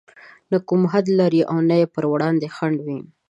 نه کوم حد لري او نه يې پر وړاندې خنډ وي.